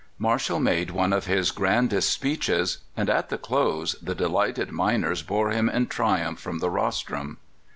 Marshall made one of his grandest speeches, and at the close the delighted miners bore him in triumph from the rostrum.